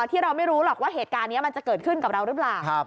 ที่เราไม่รู้หรอกว่าเหตุการณ์นี้มันจะเกิดขึ้นกับเราหรือเปล่า